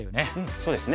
そうですね。